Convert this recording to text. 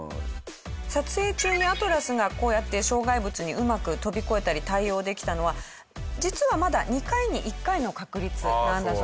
撮影中にＡｔｌａｓがこうやって障害物にうまく跳び越えたり対応できたのは実はまだ２回に１回の確率なんだそう。